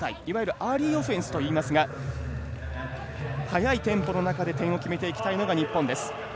アーリーオフェンスといいますが速いテンポの中で点を決めていきたいのが日本です。